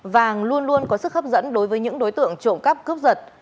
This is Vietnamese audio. vàng luôn luôn có sức hấp dẫn đối với những đối tượng trộm cắp cướp giật